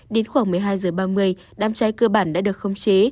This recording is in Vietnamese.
đến khoảng một mươi hai h ba mươi đám cháy cơ bản đã được khống chế